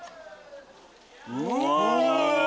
うわ！